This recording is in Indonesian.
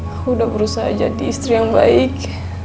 aku udah berusaha jadi istri yang baik